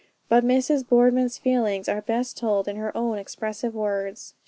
But Mrs. Boardman's feelings are best told in her own expressive words.